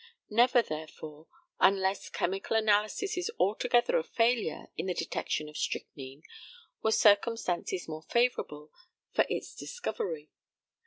Never, therefore, unless chemical analysis is altogether a failure in the detection of strychnine, were circumstances more favourable for its discovery.